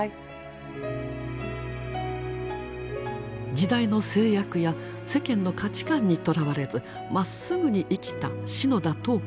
時代の制約や世間の価値観にとらわれずまっすぐに生きた篠田桃紅さん。